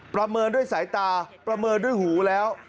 ประเมินด้วยสายตาประเมินด้วยหูแล้ว